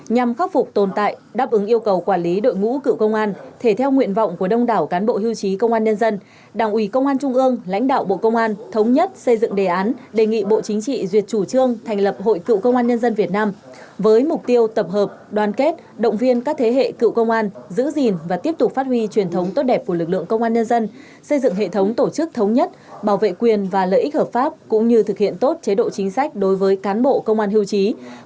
nhằm khắc phục tồn tại đáp ứng yêu cầu quản lý đội ngũ cựu công an thể theo nguyện vọng của đông đảo cán bộ hưu trí công an nhân dân đảng ủy công an trung ương lãnh đạo bộ công an thống nhất xây dựng đề án đề nghị bộ chính trị duyệt chủ trương thành lập hội cựu công an nhân dân việt nam với mục tiêu tập hợp đoàn kết động viên các thế hệ cựu công an giữ gìn và tiếp tục phát huy truyền thống tốt đẹp của lực lượng công an nhân dân xây dựng hệ thống tổ chức thống nhất bảo vệ quyền và lợi í